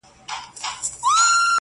د خره په تندي کي محراب نه وي.